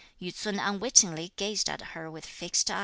Yü ts'un unwittingly gazed at her with fixed eye.